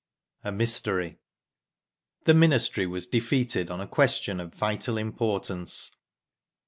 A MYSTERY. The Ministry was defeated on a question of vital importance.